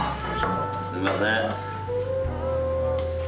すいません。